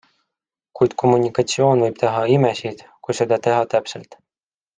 Kuid kommunikatsioon võib teha imesid, kui seda teha täpselt.